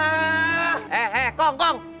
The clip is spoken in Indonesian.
eh eh eh kong kong